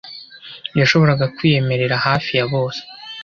Yashoboraga kwiyemerera hafi ya bose